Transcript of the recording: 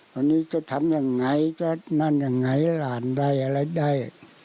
ตอนนี้จะทำยังไงจะนั่นยังไงหลานได้อะไรได้